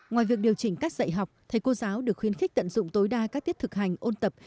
ngoài việc điều chỉnh cách dạy học thầy cô giáo được khuyến khích tận dụng tối đa các tiết thực hành ôn tập